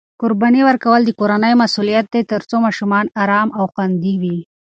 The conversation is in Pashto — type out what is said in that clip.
قرباني ورکول د کورنۍ مسؤلیت دی ترڅو ماشومان ارام او خوندي وي.